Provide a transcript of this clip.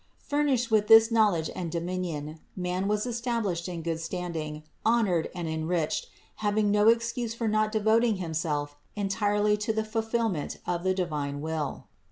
Furnished with this knowledge and dominion man was established in good standing, honored and enriched, having no excuse for not devoting himself entirely to the fulfillment of the divine will.